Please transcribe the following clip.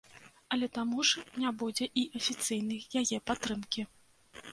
Але таму ж не будзе і афіцыйнай яе падтрымкі.